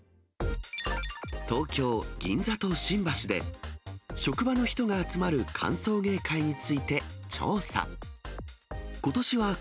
東京・銀座と新橋で、職場の人が集まる歓送迎会について調査。